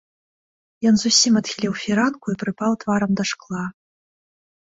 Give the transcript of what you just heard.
Ён зусім адхіліў фіранку і прыпаў тварам да шкла.